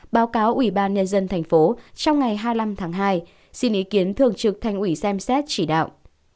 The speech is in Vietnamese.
báo cáo ubnd tp trong ngày hai mươi năm tháng hai xin ý kiến thường trực thành ủy xem xét chỉ đạo